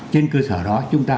trên cơ sở đó chúng ta